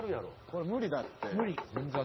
これ無理だって。